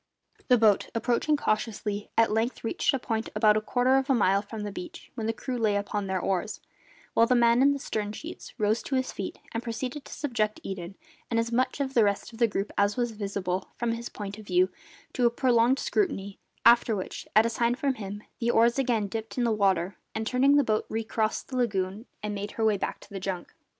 The boat, approaching cautiously, at length reached a point about a quarter of a mile from the beach, when the crew lay upon their oars, while the man in the stern sheets rose to his feet and proceeded to subject Eden, and as much of the rest of the group as was visible from his point of view, to a prolonged scrutiny, after which, at a sign from him, the oars again dipped in the water and, turning, the boat recrossed the lagoon and made her way back to the junk.